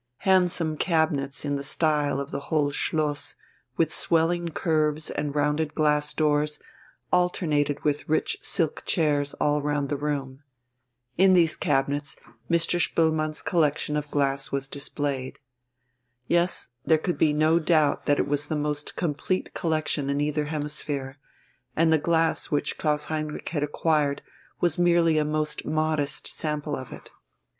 Handsome cabinets in the style of the whole Schloss, with swelling curves and rounded glass doors, alternated with rich silk chairs all round the room. In these cabinets Mr. Spoelmann's collection of glass was displayed. Yes, there could be no doubt that it was the most complete collection in either hemisphere, and the glass which Klaus Heinrich had acquired was merely a most modest sample of it.